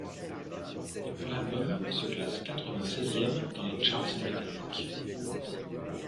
L'album se classe quatre-vingt-seizième dans les charts britanniques.